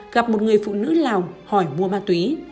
gặp một người phụ nữ lào hỏi mua ma túy